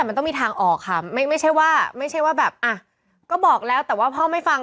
มันต้องมีทางออกค่ะไม่ใช่ว่าไม่ใช่ว่าแบบอ่ะก็บอกแล้วแต่ว่าพ่อไม่ฟัง